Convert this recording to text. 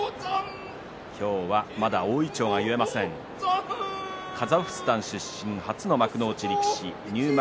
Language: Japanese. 今日はまだ大いちょうが結えません、カザフスタン出身初の幕内力士入幕